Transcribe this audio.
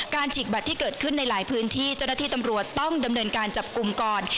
ฉีกบัตรที่เกิดขึ้นในหลายพื้นที่เจ้าหน้าที่ตำรวจต้องดำเนินการจับกลุ่มก่อน